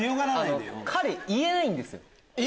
彼言えないんですよ。